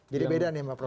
jadi beda nih pak prof